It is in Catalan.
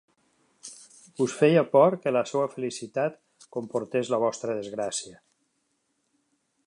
Us feia por que la seva felicitat comportés la vostra desgràcia.